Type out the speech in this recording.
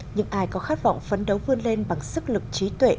những ai có khát vọng phấn đấu vươn lên bằng sức lực trí tuệ